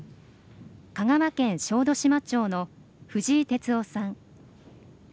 香川県小豆島町の藤井哲夫さん